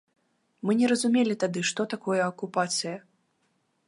Мы не разумелі тады, што такое акупацыя.